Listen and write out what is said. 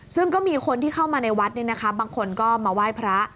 ซึ่งก็มีคนที่เข้ามาในวัดบางคนก็มาไหว้พระ